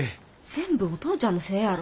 全部お父ちゃんのせいやろ。